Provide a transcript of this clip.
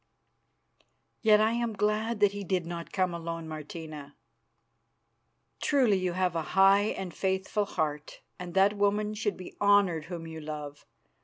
"Yet I am glad that he did not come alone, Martina." "Truly you have a high and faithful heart, and that woman should be honoured whom you love.